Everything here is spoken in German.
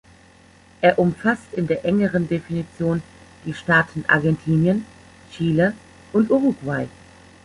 Er umfasst in der engeren Definition die Staaten Argentinien, Chile und Uruguay.